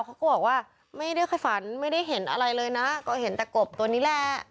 เขาก็บอกว่าไม่ได้ค่อยฝันไม่ได้เห็นอะไรเลยนะก็เห็นแต่กบตัวนี้แหละ